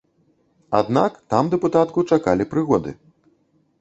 Аднак там дэпутатку чакалі прыгоды.